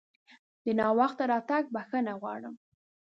د ناوخته راتګ بښنه غواړم!